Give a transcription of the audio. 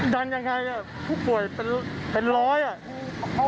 ดันยังไงอ่ะผู้ป่วยเป็นร้อยอ่ะ